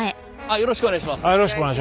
よろしくお願いします。